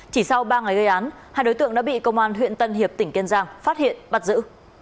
chỉ sau ba ngày gây án hai đối tượng đã bị công an huyện tân hiệp tỉnh kiên giang phát hiện bắt giữ